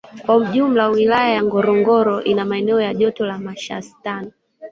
Kwa ujumla Wilaya ya Ngorongoro ina maeneo ya joto la washastani